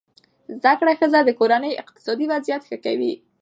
زده کړه ښځه د کورنۍ اقتصادي وضعیت ښه کوي.